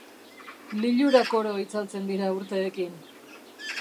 Lilurak oro itzaltzen dira urteekin.